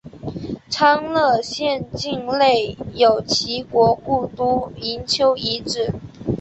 昌乐县境内有齐国故都营丘遗址。